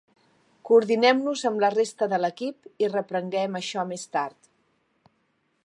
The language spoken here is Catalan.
Coordinem-nos amb la resta de l'equip i reprenguem això més tard.